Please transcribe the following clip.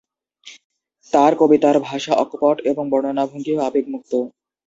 তাঁর কবিতার ভাষা অকপট এবং বর্ণনাভঙ্গিও আবেগমুক্ত।